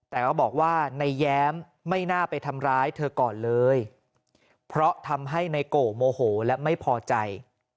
แต่ก็บอกว่าในแย้มไม่น่าไปทำร้ายเธอก่อนเลยเพราะทำให้ในโกโมโหและไม่พอใจ